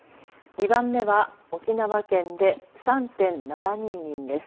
２番目は沖縄県で３．７２人です。